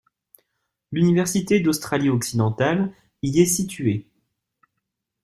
L'université d'Australie-Occidentale y est située.